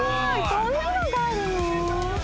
こんなのがあるの？